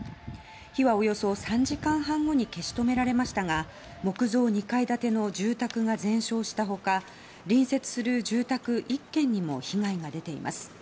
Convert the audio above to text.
火は、およそ３時間半後に消し止められましたが木造２階建ての住宅が全焼した他隣接する住宅１軒にも被害が出ています。